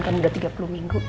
kan udah tiga puluh minggu